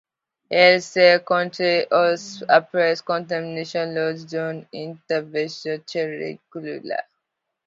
Elle se contracte aussi après contamination lors d’une intervention chirurgicale.